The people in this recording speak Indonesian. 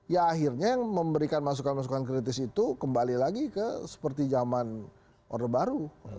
ya akhirnya yang memberikan masukan masukan kritis itu kembali lagi ke seperti zaman orde baru